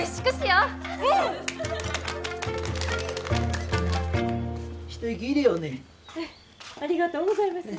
ありがとうございます。